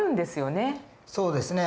そうですね